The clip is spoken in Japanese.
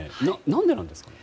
何でなんですか？